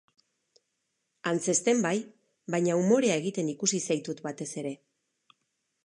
Antzezten bai, baina umorea egiten ikusi zaitut batez ere.